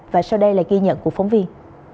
và sau đây là ghi nhận của phóng viên